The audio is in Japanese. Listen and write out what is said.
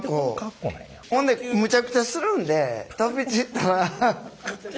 ほんでむちゃくちゃするんで飛び散ったら。